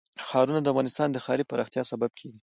ښارونه د افغانستان د ښاري پراختیا سبب کېږي.